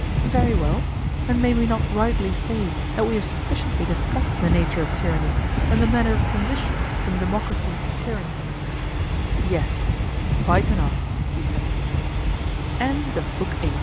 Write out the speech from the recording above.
Very well; and may we not rightly say that we have sufficiently discussed the nature of tyranny, and the manner of the transition from democracy to tyranny? Yes, quite enough, he said. BOOK IX.